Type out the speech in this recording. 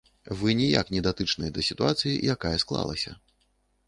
Вы ніяк не датычныя да сітуацыі, якая склалася.